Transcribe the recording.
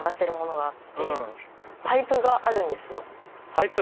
「」「」パイプ？